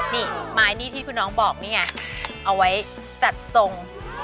นี่ไม้นี่ที่คุณน้องบอกนี่ไงเอาไว้จัดทรง